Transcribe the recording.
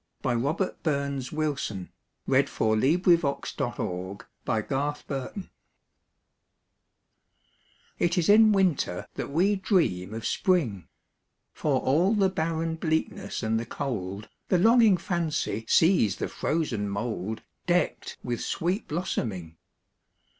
By Robert BurnsWilson 1047 It Is in Winter That We Dream of Spring IT is in Winter that we dream of Spring; For all the barren bleakness and the cold, The longing fancy sees the frozen mouldDecked with sweet blossoming.